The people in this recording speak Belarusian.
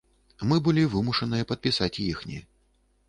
Мы былі вымушаныя падпісаць іхні.